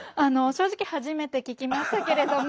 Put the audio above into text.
正直初めて聞きましたけれども。